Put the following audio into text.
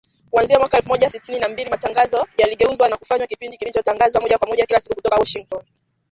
Kuanzia mwaka elfu moja sitini na mbili, matangazo yaligeuzwa na kufanywa kipindi kilichotangazwa moja kwa moja, kila siku kutoka Washington